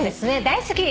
大好き。